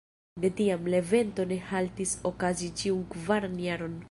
De tiam, la evento ne haltis okazi ĉiun kvaran jaron.